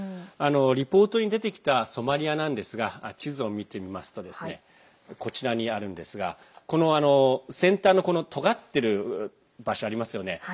リポートに出てきたソマリアなんですが地図を見てみますとこちらにあるんですがこの先端のとがってる場所ありますよね。